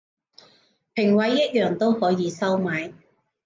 評委一樣都可以收買